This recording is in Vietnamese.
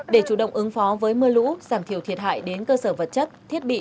để chủ động ứng phó với mưa lũ giảm thiểu thiệt hại đến cơ sở vật chất thiết bị